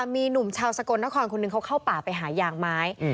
มีหนุ่มชาวสกลนครคนหนึ่งเขาเข้าป่าไปหายางไม้